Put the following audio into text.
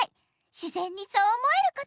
自然にそう思えること。